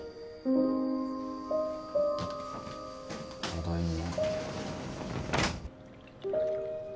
ただいま。